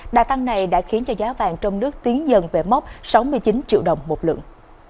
đà tăng này đã khiến cho giá vàng trong nước tiến dần về mốc sáu mươi chín triệu đồng một lượng